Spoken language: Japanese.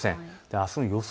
あすの予想